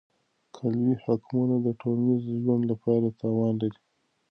قالبي حکمونه د ټولنیز ژوند لپاره تاوان لري.